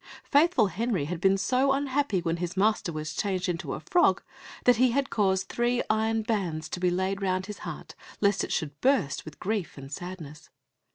Faithful Henry had been so unhappy when his master was changed into a frog, that he had caused three iron bands to be laid round his heart, lest it should burst with grief and sadness.